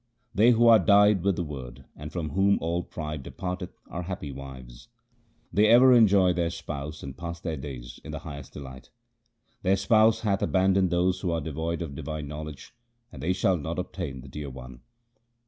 They who are dyed with the Word, and from whom all pride departeth are happy wives. They ever enjoy their Spouse and pass their days in the highest delight. Their Spouse hath abandoned those who are devoid of divine knowledge, and they shall not obtain the Dear One.